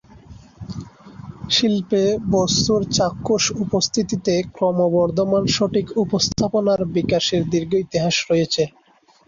শিল্পে, বস্তুর চাক্ষুষ উপস্থিতির ক্রমবর্ধমান সঠিক উপস্থাপনার বিকাশের দীর্ঘ ইতিহাস রয়েছে।